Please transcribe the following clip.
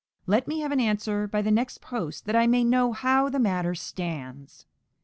Let me have an answer by the next post, that I may know how the matter stands."